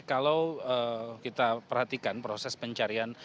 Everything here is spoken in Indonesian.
kalau kita perhatikan proses pencarian